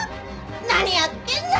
何やってんだよ！